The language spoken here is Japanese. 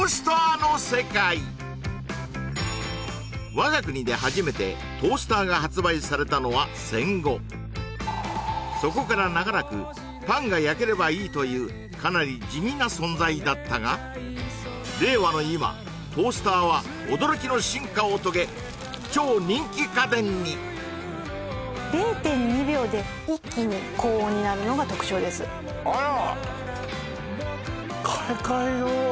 我が国で初めてトースターが発売されたのは戦後そこから長らくパンが焼ければいいというかなり地味な存在だったが令和の今トースターは驚きの進化を遂げ超人気家電にになるのが特徴ですあら！